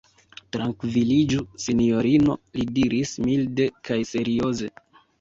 Trankviliĝu, sinjorino, li diris milde kaj serioze.